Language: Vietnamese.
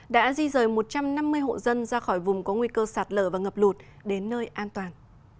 đã di rời một trăm năm mươi hộ dân ra khỏi vùng có nguy cơ sạt lở và ngập lụt đến nơi an toàn